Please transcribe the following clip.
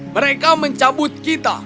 mereka mencabut kita